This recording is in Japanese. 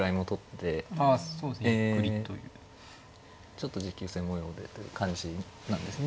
ちょっと持久戦模様でという感じなんですね